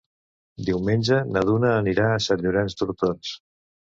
Diumenge na Duna anirà a Sant Llorenç d'Hortons.